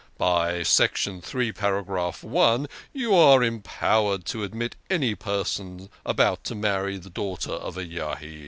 By Section III., Paragraph I., you are empowered to admit any person about to marry the daughter of a Yahid."